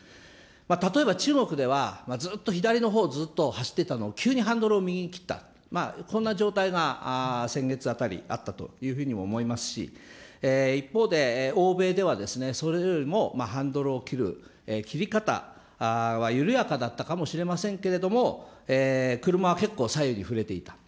例えば中国では、ずっと左のほうをずっと走っていたのを急にハンドルを右に切った、こんな状態が先月あたりあったというふうにも思いますし、一方で、欧米ではそれよりもハンドルを切る切り方は緩やかだったかもしれませんけれども、車は結構左右に振れていた。